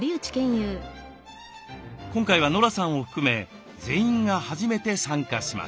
今回はノラさんを含め全員が初めて参加します。